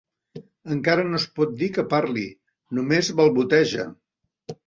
Encara no es pot dir que parli: només balboteja.